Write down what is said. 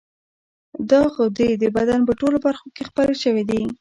دا غدې د بدن په ټولو برخو کې خپرې شوې دي.